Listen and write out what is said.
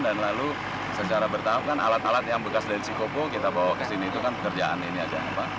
dan lalu secara bertahap kan alat alat yang bekas dari sikopo kita bawa ke sini itu kan pekerjaan ini aja